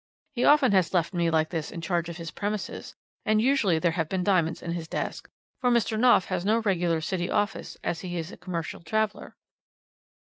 He often has left me like this in charge of his premises, and usually there have been diamonds in his desk, for Mr. Knopf has no regular City office as he is a commercial traveller.'